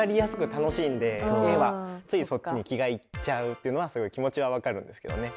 ついそっちに気がいっちゃうっていうのはすごい気持ちは分かるんですけどね。